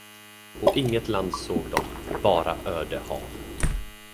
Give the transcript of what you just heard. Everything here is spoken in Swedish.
Och inget land såg de, bara öde hav.